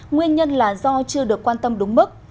nguyên nhân là do chưa được quan tâm đúng mức